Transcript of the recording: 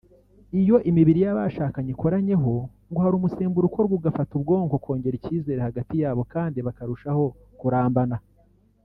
Iyo imibiri y’abashakanye ikoranyeho ngo hari umusemburo ukorwa ugafasha ubwonko kongera icyizere hagati yabo kandi bakarushaho kurambana